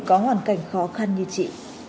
có hoàn cảnh khó khăn như chị